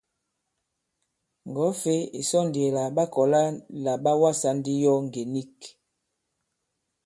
Ŋgɔ̀wɛ-fěy ì sɔ ndi àlà ɓa kɔ̀la là ɓa wasā ndi yo ngè nik.